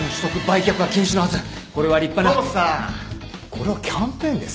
これはキャンペーンです。